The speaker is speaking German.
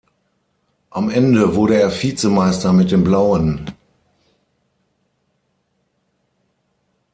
Am Ende wurde er Vize-Meister mit den "Blauen".